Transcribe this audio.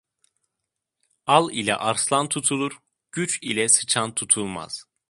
Al ile arslan tutulur, güç ile sıçan tutulmaz.